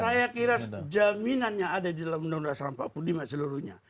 saya kira jaminannya ada di dalam uud seribu sembilan ratus empat puluh lima seluruhnya